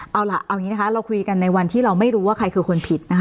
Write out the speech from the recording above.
เอาล่ะเอาอย่างนี้นะคะเราคุยกันในวันที่เราไม่รู้ว่าใครคือคนผิดนะคะ